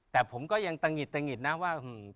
แต่ผมก็ยังตะงิดอ่ะว่าหือ